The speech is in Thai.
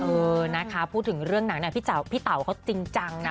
เออนะคะพูดถึงเรื่องหนังพี่เต๋าเขาจริงจังนะ